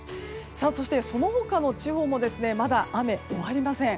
そして、その他の地方もまだ雨は終わりません。